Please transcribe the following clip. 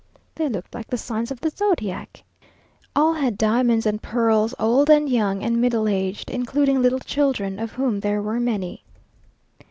They looked like the signs of the zodiac. All had diamonds and pearls; old and young, and middle aged; including little children, of whom there were many.